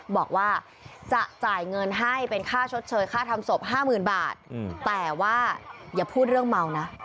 บอกว่าจะจ่ายเงินให้เป็นค่าชดเชยค่าทำศพ๕๐๐๐บาทแต่ว่าอย่าพูดเรื่องเมานะ